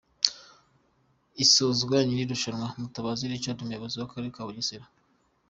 isozwa ry’iri rushanwa, Mutabazi Richard umuyobozi w’akarere ka Bugesera